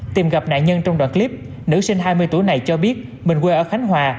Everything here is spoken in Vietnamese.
tìm gặp nạn nhân trong đoạn clip nữ sinh hai mươi tuổi này cho biết mình quê ở khánh hòa